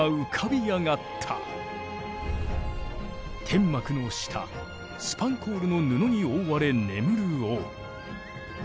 天幕の下スパンコールの布に覆われ眠る王。